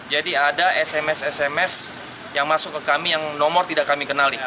jadi ada sms sms yang masuk ke kami yang nomor tidak kami kenali